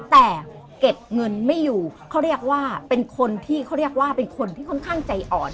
แต่เก็บเงินไม่อยู่เขาเรียกว่าเป็นคนที่เขาเรียกว่าเป็นคนที่ค่อนข้างใจอ่อน